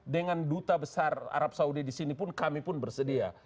dengan duta besar arab saudi di sini pun kami pun bersedia